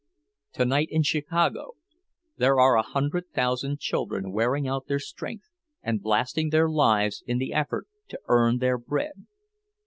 Tonight in Chicago there are a hundred thousand children wearing out their strength and blasting their lives in the effort to earn their bread!